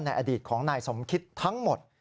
อดีตของนายสมคิดทั้งหมด